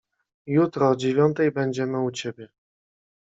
"Jutro o dziewiątej będziemy u ciebie."